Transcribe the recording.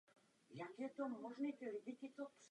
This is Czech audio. Pro lidi jed není nebezpečný.